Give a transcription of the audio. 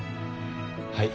はい。